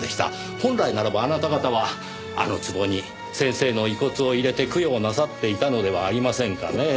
本来ならばあなた方はあの壺に先生の遺骨を入れて供養なさっていたのではありませんかねぇ。